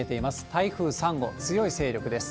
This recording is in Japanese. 台風３号、強い勢力です。